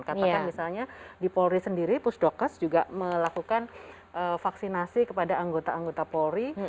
katakan misalnya di polri sendiri pusdokes juga melakukan vaksinasi kepada anggota anggota polri